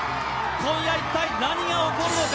今夜、一体何が起こるのか。